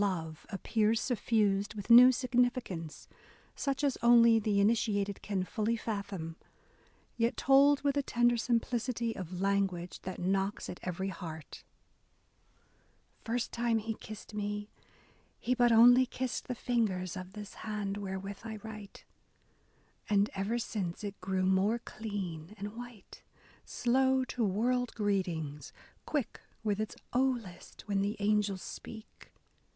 BROWNING love appears suffused with new significance, such as only the initiated can fully fathom, — yet told with a tender simplicity of language that knocks at every heart : First time he kissed me, he but only kissed The fingers of this hand wherewith I write ; And, ever since, it grew more clean and white, ... Slow to world greetings .., quick with its *Oh, list,' When the angels speak.